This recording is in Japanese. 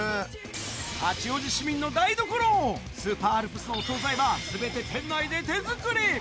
八王子市民の台所、スーパーアルプスのお総菜は、すべて店内で手作り。